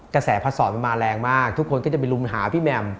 กระแสพัดสอนมันมาแรงมากทุกคนก็จะไปลุมหาพี่แหม่ม